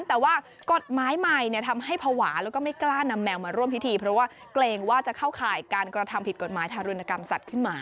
แต่ว่ากฎหมายใหม่ทำให้ภาวะแล้วก็ไม่กล้านำแมวมาร่วมพิธีเพราะว่าเกรงว่าจะเข้าข่ายการกระทำผิดกฎหมายทารุณกรรมสัตว์ขึ้นมา